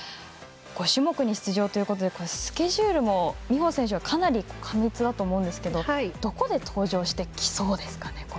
５種目に出場ということでスケジュールは美帆選手はかなり過密だと思うんですけどどこで登場してきそうですかね。